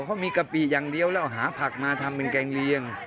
เขามีกะปิอย่างเดียวแล้วหาผักมาทำเป็นแกงเลียง